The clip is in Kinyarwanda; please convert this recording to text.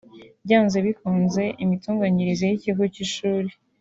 Byanze bikunze imitunganyirize y’ikigo cy’ishuri